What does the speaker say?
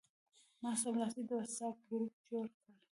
ما سملاسي د وټساپ ګروپ جوړ کړ.